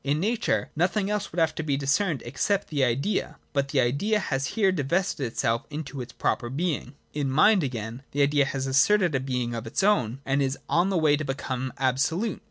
In Nature nothing else would have to be discerned, except the Idea : but the Idea has here divested itself of its proper being. In Mind, again, the Idea has asserted a being of its own, and is on the way to become absolute.